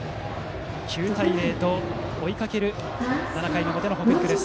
９対０と、追いかける７回表の北陸。